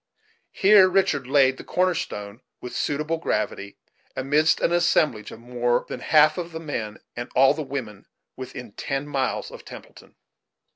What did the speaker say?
Here Richard laid the corner stone, with suitable gravity, amidst an assemblage of more than half the men, and all the women, within ten miles of Templeton.